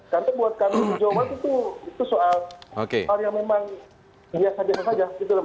karena buat kami di jawa itu soal hal yang memang hiasan saja